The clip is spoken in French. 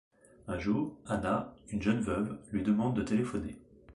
Un jour, Anna, une jeune veuve, lui demande de téléphoner.